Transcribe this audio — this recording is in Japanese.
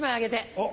おっ！